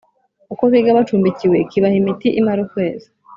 kuko biga bacumbikiwe kibaha imiti imara ukwezi